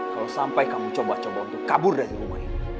kalau sampai kamu coba coba untuk kabur dari rumah ini